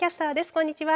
こんにちは。